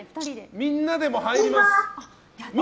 みんなでも入ります。